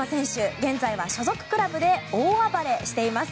現在は所属クラブで大暴れしています。